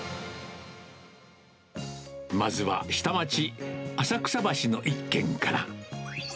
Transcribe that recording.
まずは下町、浅草橋の一軒から。